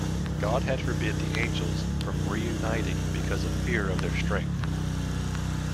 God had forbid the angels from reuniting because of fear of their strength.